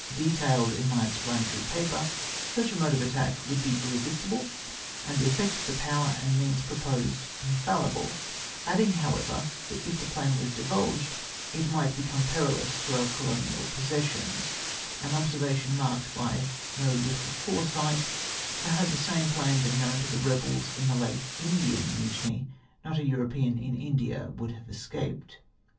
detailed in my explanatory paper, such a mode of attack would be irresistible, and the effect of the power and means proposed, infallible ; adding, however, that if the plan was divulged, it might become perilous to our Colonial possessions ; an observation marked by no little foresight, /or had the same plan been known to the rebels in the late Indian mutiny^ not a European in India loould have escaped.